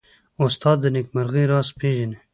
استاد د نېکمرغۍ راز پېژني.